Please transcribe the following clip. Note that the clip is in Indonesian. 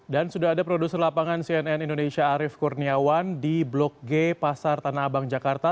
dan sudah ada produser lapangan cnn indonesia arief kurniawan di blok g pasar tanah abang jakarta